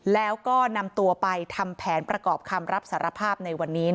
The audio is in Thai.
แล้วก็นำตัวไปทำแผนประกอบคำรับสารภาพในวันนี้